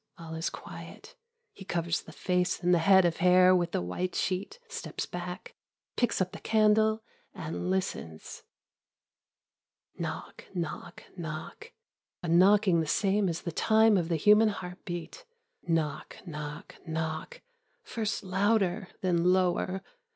All is quiet. He covers the face and the head of hair with the white sheet, steps back, picks up the candle and listens. Knock, knock, knock, a knocking the same as the time of the human heartbeat. Knock, knock, knock, first louder, then lower.